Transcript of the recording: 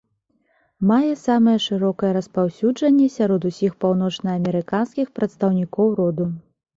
Мае самае шырокае распаўсюджанне сярод усіх паўночнаамерыканскіх прадстаўнікоў роду.